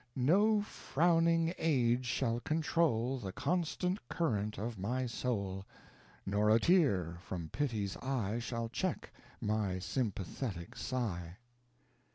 No frowning age shall control The constant current of my soul, Nor a tear from pity's eye Shall check my sympathetic sigh.